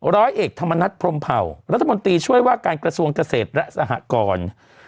ร้อยเอกธรรมนัฐพรมเผารัฐมนตรีช่วยว่าการกระทรวงเกษตรและสหกร